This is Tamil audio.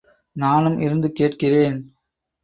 நானும் இருந்து கேட்கிறேன்.